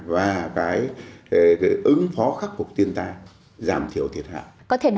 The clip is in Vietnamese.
và ứng phó khắc phục thiên tai giảm thiểu thiệt hại